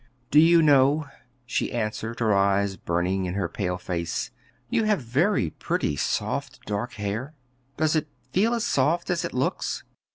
"Do you know," she answered, her eyes burning in her pale face, "you have very pretty, soft dark hair? Does it feel as soft as it looks?"